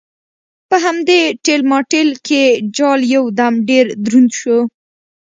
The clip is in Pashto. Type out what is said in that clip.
په همدې ټېل ماټېل کې جال یو دم ډېر دروند شو.